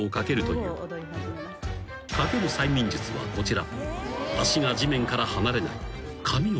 ［かける催眠術はこちら］